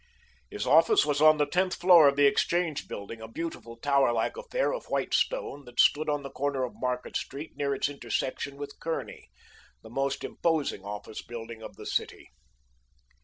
His office was on the tenth floor of the EXCHANGE BUILDING, a beautiful, tower like affair of white stone, that stood on the corner of Market Street near its intersection with Kearney, the most imposing office building of the city.